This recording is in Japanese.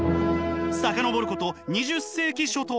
遡ること２０世紀初頭。